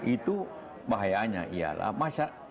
itu bahayanya ialah masyarakat